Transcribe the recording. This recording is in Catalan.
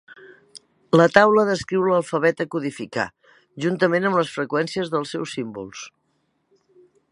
La taula descriu l'alfabet a codificar, juntament amb les freqüències dels seus símbols.